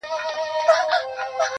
عطار وځغستل ګنجي پسي روان سو؛